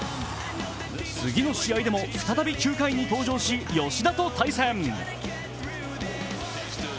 次の試合でも再び９回に登場し吉田と対戦。